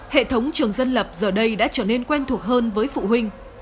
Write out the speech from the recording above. hệ thống trường dân lập giờ đây đã trở nên quen thuộc hơn với phụ huynh